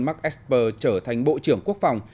mark esper trở thành bộ trưởng quốc phòng